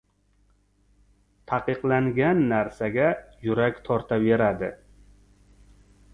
• Taqiqlangan narsaga yurak tortaveradi.